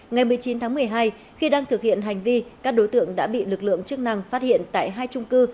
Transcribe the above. ngày một mươi chín tháng một mươi hai khi đang thực hiện hành vi các đối tượng đã bị lực lượng chức năng phát hiện tại hai trung cư